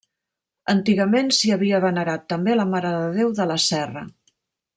Antigament s'hi havia venerat també a la Mare de Déu de la Serra.